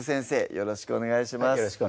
よろしくお願いします